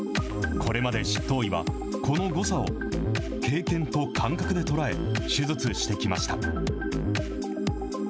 これまで執刀医は、この誤差を経験と感覚で捉え、手術してきました。